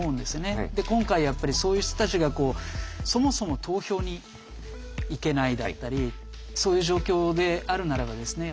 今回やっぱりそういう人たちがこうそもそも投票に行けないだったりそういう状況であるならばですね